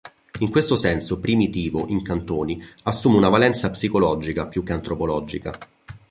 In questo senso "primitivo" in Cantoni assume una valenza psicologica più che antropologica.